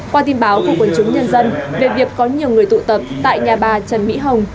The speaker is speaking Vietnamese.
qua tin báo của quân chúng nhân dân về việc có nhiều người tụ tập tại nhà bà trần mỹ hồng